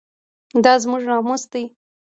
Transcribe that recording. دا زموږ ناموس دی؟